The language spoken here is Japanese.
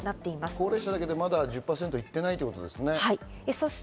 高齢者だけでも、まだ１０％行ってないってことですね。